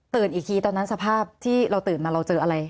อีกทีตอนนั้นสภาพที่เราตื่นมาเราเจออะไร